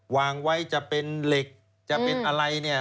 วางไว้จะเป็นเหล็กจะเป็นอะไรเนี่ย